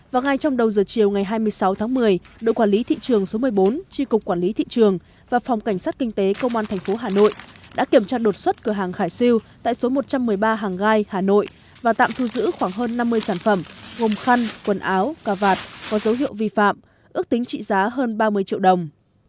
và ngay trong đầu giờ chiều ngày hai mươi sáu tháng một mươi đội quản lý thị trường số một mươi bốn tri cục quản lý thị trường và phòng cảnh sát kinh tế công an tp hà nội đã kiểm tra đột xuất cửa hàng khải siêu tại số một trăm một mươi ba hàng gai hà nội và tạm thu giữ khoảng hơn năm mươi sản phẩm gồm khăn quần áo càt có dấu hiệu vi phạm ước tính trị giá hơn ba mươi triệu đồng